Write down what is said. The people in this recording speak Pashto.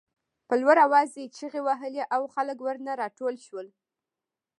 په لوړ آواز یې چغې وهلې او خلک ورنه راټول شول.